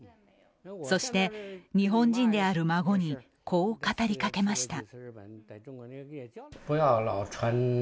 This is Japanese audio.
そして日本人である孫に、こう語りかけました。